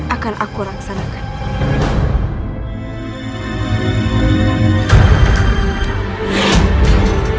akan aku rangsap